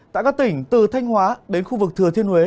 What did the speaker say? tại các tỉnh từ thanh hóa đến khu vực thừa thiên huế